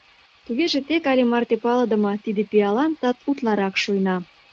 Тугеже тек але марте палыдыме тиде пиалан тат утларак шуйна...